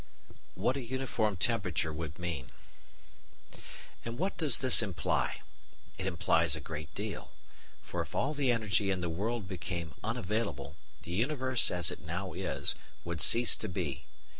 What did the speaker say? What a Uniform Temperature would mean And what does this imply? It implies a great deal: for if all the energy in the world became unavailable, the universe, as it now is, would cease to be.